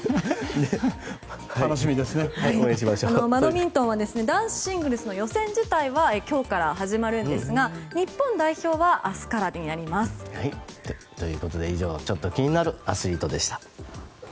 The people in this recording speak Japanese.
バドミントンは男子シングルスの予選自体は今日から始まるんですが日本代表はということでちょっと気になるアスリートでした。